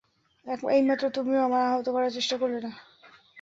এইমাত্র তুমিও আমায় আহত করার চেষ্টা করলে না?